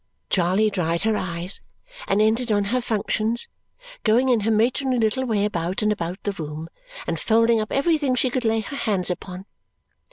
Charley dried her eyes and entered on her functions, going in her matronly little way about and about the room and folding up everything she could lay her hands upon.